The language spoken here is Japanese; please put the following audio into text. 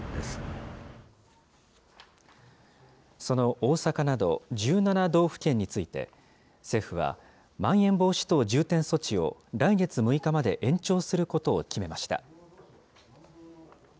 その大阪など１７道府県について、政府はまん延防止等重点措置を、来月６日まで延長することを決めました。